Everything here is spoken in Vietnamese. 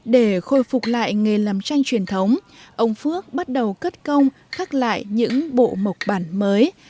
để khôi phục lại nghề làm tranh truyền thống ông phước bắt đầu cất công khắc lại những bộ mộc bản mới